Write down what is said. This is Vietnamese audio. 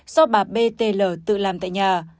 do bà b t l tự làm tại nhà